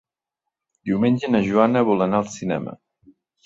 Diumenge na Joana vol anar al cinema.